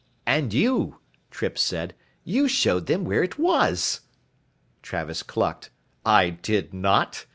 "And you," Trippe said, "you showed them where it was." Travis clucked. "I did not.